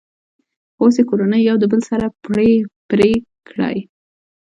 خو اوس یې کورنیو یو د بل سره پړی پرې کړی.